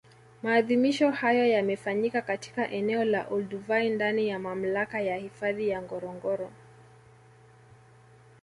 Maadhimisho hayo yamefanyika katika eneo la Olduvai ndani ya Mamlaka ya Hifadhi ya Ngorongoro